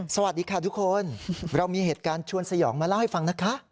สวัสดีค่ะทุกคนเรามีเหตุการณ์ชวนสยองมาเล่าให้ฟังนะคะ